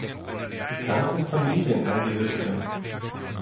Bekannte Familienangehörige